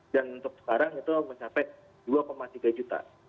dan untuk sekarang itu mencapai rp dua tiga juta